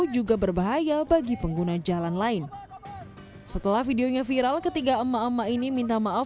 juga berbahaya bagi pengguna jalan lain setelah videonya viral ketiga emak emak ini minta maaf